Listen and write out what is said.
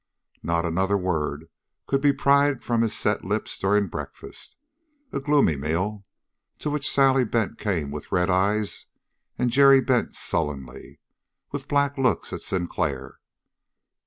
Not another word could be pried from his set lips during breakfast, a gloomy meal to which Sally Bent came with red eyes, and Jerry Bent sullenly, with black looks at Sinclair.